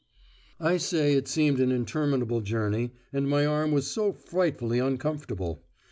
I say it seemed an interminable journey, and my arm was so frightfully uncomfortable.